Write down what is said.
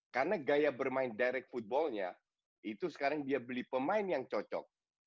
karena gaya bermain direct footballnya itu sekarang dia beli pemain yang cocok